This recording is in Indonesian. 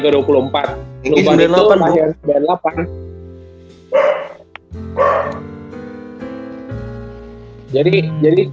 jadi secara umur satya wacana itu menurut